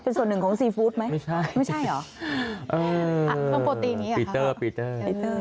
เป็นส่วนหนึ่งของซีฟู้ดไหมไม่ใช่เหรออ่าต้องโปรตีนี้เหรอครับครับปีเตอร์ปีเตอร์